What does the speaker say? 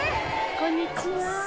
こんにちは。